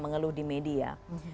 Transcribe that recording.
mengeluh di media